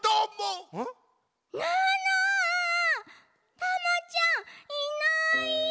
タマちゃんいない！